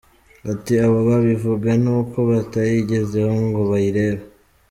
Ati “Abo babivuga ni uko batayigezeho ngo bayirebe.